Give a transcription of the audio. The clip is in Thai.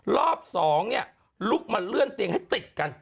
รอบ๒ลุกมาเลื่อนเตงให้ติดกัน